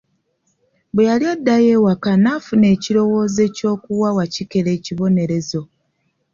Bwe yali addayo ewaka n'afuna ekirowoozo eky'okuwa Wakikere ekibonerezo.